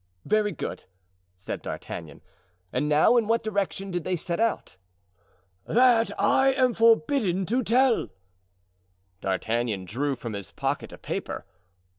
"Very good," said D'Artagnan; "and now in what direction did they set out?" "That I am forbidden to tell." D'Artagnan drew from his pocket a paper.